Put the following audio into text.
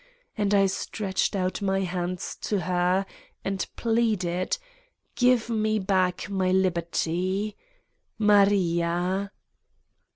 And I stretched out my hands to Her and pleaded: Give me back my liberty ! "Maria!"